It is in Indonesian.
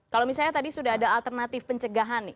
kalau misalnya tadi sudah ada alternatif pencegahan nih